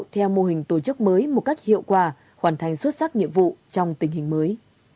theo mô hình tổ chức mới một cách hiệu quả hoàn thành xuất sắc nhiệm vụ trong tình hình mới